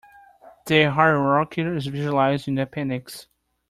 The hierarchy is visualized in the appendix.